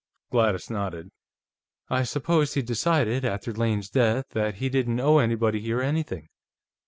Gladys nodded. "I suppose he decided, after Lane's death, that he didn't owe anybody here anything.